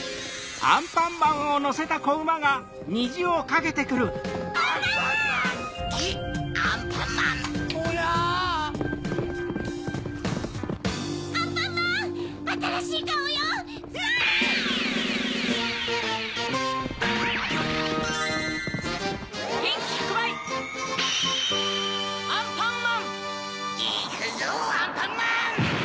アンパンマン‼・いくぞアンパンマン！